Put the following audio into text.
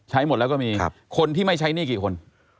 หมดแล้วก็มีคนที่ไม่ใช้หนี้กี่คน